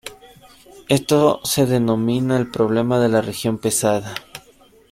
Esto se denomina el "problema de la región pesada".